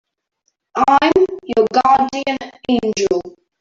I'm your guardian angel.